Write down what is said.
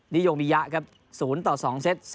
โยมิยะครับ๐ต่อ๒เซต